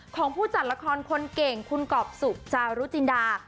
ของผู้จัดละครคนเก่งคุณกรอบสุจารุจินดา